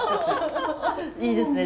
いいですね